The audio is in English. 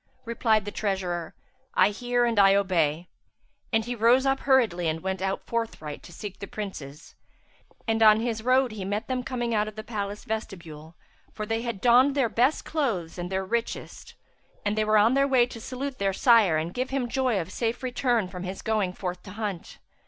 Replied the treasurer, "I hear and I obey," and he rose up hurriedly and went out forthright to seek the Princes; and, on his road, he met them coming out of the palace vestibule, for they had donned their best clothes and their richest; and they were on their way to salute their sire and give him joy of his safe return from his going forth to hunt.